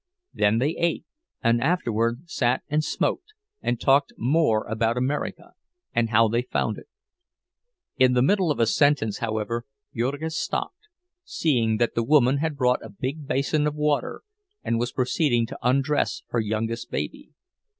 Then they ate, and afterward sat and smoked and talked more about America, and how they found it. In the middle of a sentence, however, Jurgis stopped, seeing that the woman had brought a big basin of water and was proceeding to undress her youngest baby.